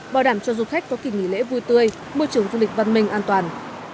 bảo đảm cho du khách có kỳ nghỉ lễ vui tươi môi trường du lịch văn minh an toàn